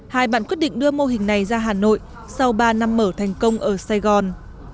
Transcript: hai bạn quyết định đưa mô hình này ra hà nội sau ba năm mở thành công ở sài gòn